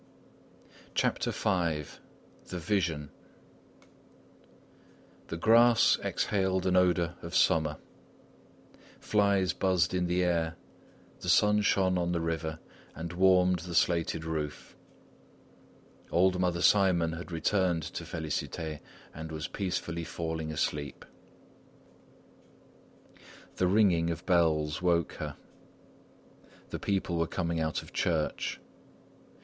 CHAPTER V THE VISION The grass exhaled an odour of summer; flies buzzed in the air, the sun shone on the river and warmed the slated roof. Old Mother Simon had returned to Félicité and was peacefully falling asleep. The ringing of bells woke her; the people were coming out of church.